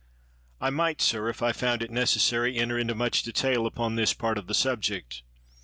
I might, sir, if I found it necessary, enter into much detail upon this part of the subject.